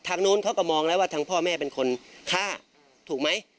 โน้นเขาก็มองแล้วว่าทางพ่อแม่เป็นคนฆ่าถูกไหม